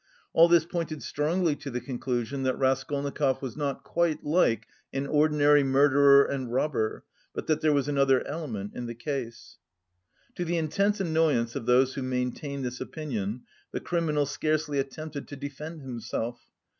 All this pointed strongly to the conclusion that Raskolnikov was not quite like an ordinary murderer and robber, but that there was another element in the case. To the intense annoyance of those who maintained this opinion, the criminal scarcely attempted to defend himself.